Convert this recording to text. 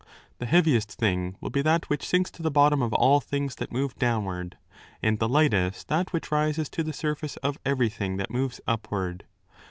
The heaviest thing will be that which sinks to the bottom of all things that move downward, and the lightest that which rises to the surface of everything that moves upward.